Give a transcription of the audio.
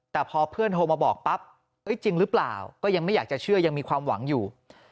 แต่พอเพื่อนโทรมาบอกปั๊บจริงหรือเปล่าก็ยังไม่อยากจะเชื่อยังมีความหวังอยู่